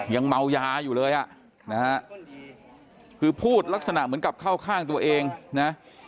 ยังเมายาอยู่เลยอ่ะนะฮะคือพูดลักษณะเหมือนกับเข้าข้างตัวเองนะ